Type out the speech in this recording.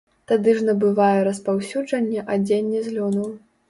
Тады ж набывае распаўсюджанне адзенне з лёну.